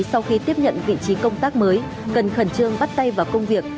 sau khi tiếp nhận vị trí công tác mới cần khẩn trương bắt tay vào công việc